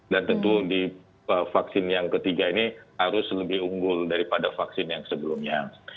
dan tentu di vaksin yang ketiga ini harus lebih unggul daripada vaksin yang sebelumnya